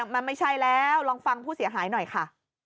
มันไม่ใช่แล้วลองฟังผู้เสียหายหน่อยค่ะ